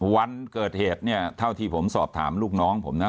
วันเกิดเหตุเนี่ยเท่าที่ผมสอบถามลูกน้องผมนะ